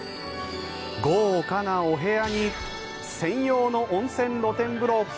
豪華なお部屋に専用の温泉露天風呂。